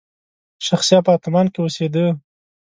شخصي اپارتمان کې اوسېده.